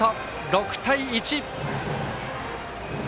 ６対１！